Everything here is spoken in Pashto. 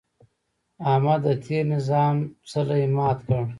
احمد د تېر نظام څلی مات کړ.